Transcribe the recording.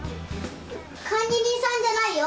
管理人さんじゃないよ。